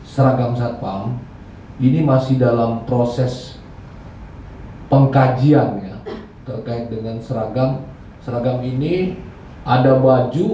seragam satpam ini masih dalam proses pengkajian ya terkait dengan seragam seragam ini ada baju